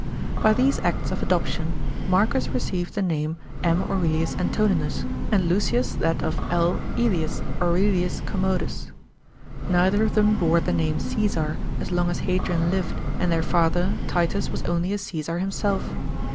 By these acts of adoption Marcus received the name M. Aurelius Antoninus, and Lucius that of L. ^Elins Aurelins Commodus. Neither of them bore the name Caesar, as long as Hadrixn lived and their father, Titus, was only a Csesar himself.